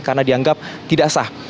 karena dianggap tidak sah